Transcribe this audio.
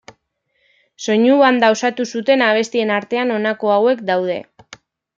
Soinu banda osatu zuten abestien artean honako hauek daude.